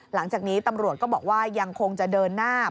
หลังจากนี้ตำรวจก็บอกว่ายังคงจะเดินหน้า